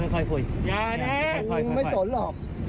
นายไม่สนหรอก